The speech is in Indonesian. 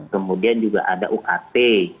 kemudian juga ada ukt